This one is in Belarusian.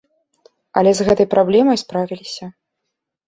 Але з гэтай праблемай справіліся.